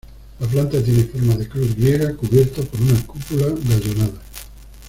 La planta tiene forma de cruz griega cubierta por una cúpula gallonada.